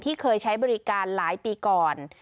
เคยใช้บริการหลายปีก่อน